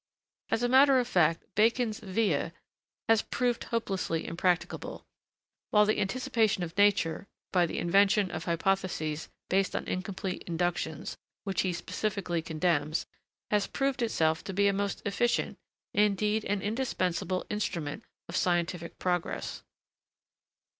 As a matter of fact, Bacon's 'via' has proved hopelessly impracticable; while the 'anticipation of nature' by the invention of hypotheses based on incomplete inductions, which he specially condemns, has proved itself to be a most efficient, indeed an indispensable, instrument of scientific progress.